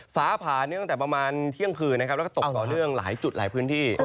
ฟ้าผ่านตั้งแต่ประมาณเที่ยงคืนนะครับแล้วก็ตกต่อเนื่องหลายจุดหลายพื้นที่